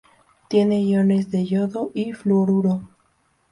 Tiene iones de yodo y fluoruro.